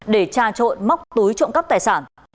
để tra trộn móc túi trộn cắp tài sản